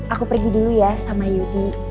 aku pergi dulu ya sama yuki